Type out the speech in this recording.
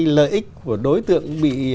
lợi ích của đối tượng bị